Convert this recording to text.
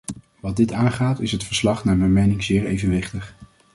Wat dit aangaat is het verslag naar mijn mening zeer evenwichtig.